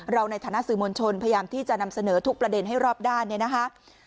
ในฐานะสื่อมวลชนพยายามที่จะนำเสนอทุกประเด็นให้รอบด้านเนี่ยนะคะ